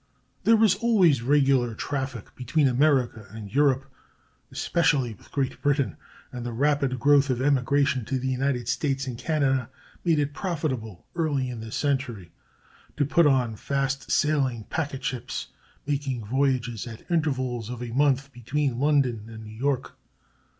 There was always regular traffic between America and Europe, especially with Great Britain, and the rapid growth of emigration to the United States and Canada made it profitable, early in this century, to put on fast sailing packet ships, making voyages, at intervals of a month, between London and New York.